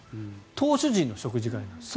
投手陣の食事会なんです。